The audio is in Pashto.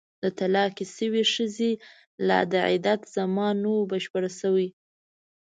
د طلاقې شوې ښځې لا د عدت زمان نه وو بشپړ شوی.